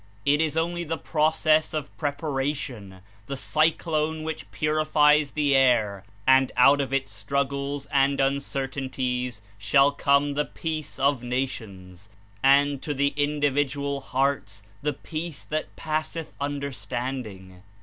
It is only the process of preparation, the cyclone which purifies the air, and out of its struggles and uncertainties shall come the peace of nations, and to the individual hearts the "Peace that passeth understanding.'